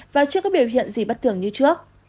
và chưa có biểu hiện gì bất thường như trước